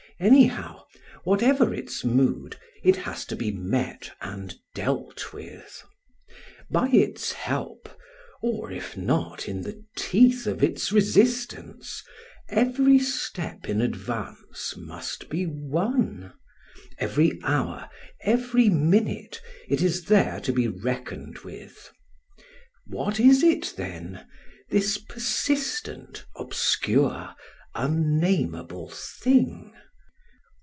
Anyhow, whatever its mood, it has to be met and dealt with. By its help, or, if not, in the teeth of its resistance, every step in advance must be won; every hour, every minute, it is there to be reckoned with. What is it then, this persistent, obscure, unnameable Thing?